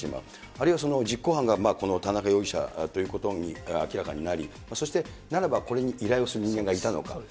あるいは実行犯が田中容疑者ということが明らかになり、そしてならばこれに依頼する人間がいたのか。